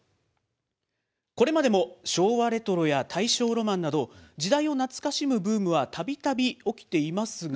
これまでも、昭和レトロや大正ロマンなど、時代を懐かしむブームはたびたび起きていますが。